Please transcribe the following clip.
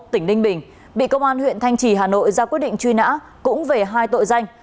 tỉnh ninh bình bị công an huyện thanh trì hà nội ra quyết định truy nã cũng về hai tội danh